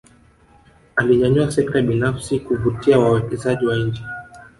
Alinyanyua sekta binafsi kuvutia wawekezaji wa nje